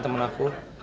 kita pergi yuk iyam iyam